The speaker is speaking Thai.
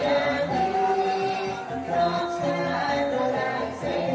การทีลงเพลงสะดวกเพื่อความชุมภูมิของชาวไทยรักไทย